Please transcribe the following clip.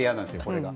これが。